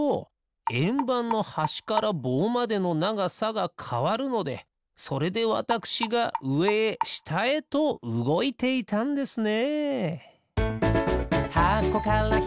えんばんのはしからぼうまでのながさがかわるのでそれでわたくしがうえへしたへとうごいていたんですね。